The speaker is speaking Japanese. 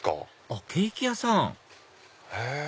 あっケーキ屋さんへぇ。